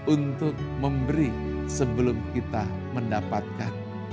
untuk memberi sebelum kita mendapatkan